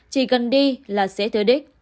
chỉ cần đi là sẽ tới đích